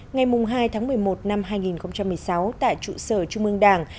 ngày hai tháng một mươi một năm hai nghìn một mươi sáu tại trụ sở trung ương đảng